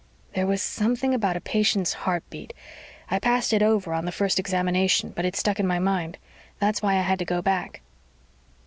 "There was something about a patient's heartbeat. I passed it over on the first examination, but it stuck in my mind. That's why I had to go back."